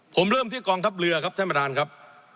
ผมเริ่มที่กองทัพเรือครับท่านประธานครับ